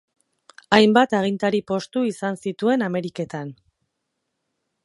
Hainbat agintari postu izan zituen Ameriketan.